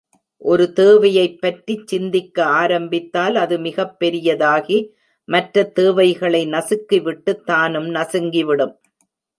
ஒரு தேவையைப் பற்றிச் சிந்திக்க ஆரம்பித்தால், அது மிகப் பெரிதாகி, மற்றத் தேவை களை நசுக்கிவிட்டுத் தானும் நசுங்கிவிடும்.